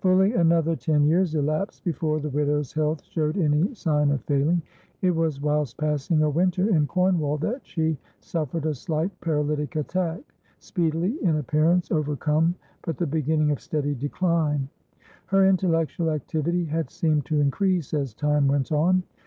Fully another ten years elapsed before the widow's health showed any sign of failing. It was whilst passing a winter in Cornwall, that she suffered a slight paralytic attack, speedily, in appearance, overcome, but the beginning of steady decline. Her intellectual activity had seemed to increase as time went on.